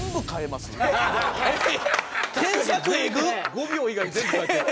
「５秒」以外全部変えてる。